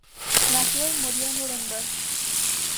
Nació y murió en Núremberg.